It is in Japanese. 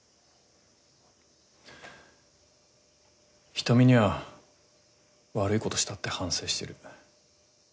仁美には悪いことしたって反省してる。